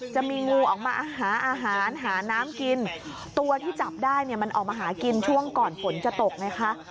จะมีงูออกมาหาอาหารหาน้ำกินตัวที่จับได้เนี่ยมันออกมาหากินช่วงก่อนฝนจะตกไงคะ